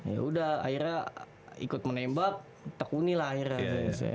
ya udah akhirnya ikut menembak tukunin lah akhirnya